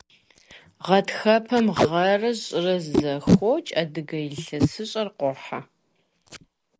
Гъатхэпэм гъэрэ щӀырэ зэхокӀ, адыгэ илъэсыщӀэр къохьэ.